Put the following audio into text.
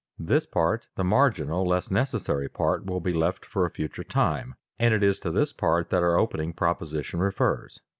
This part, the marginal, less necessary part, will be left for a future time, and it is to this part that our opening proposition refers.